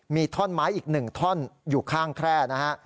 มีท่อนไม้อีก๑ท่อนอยู่ข้างแคร่นะฮะ